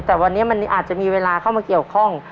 แต่วันนี้มันอาจจะมีเวลาเข้ามาเกี่ยวข้อง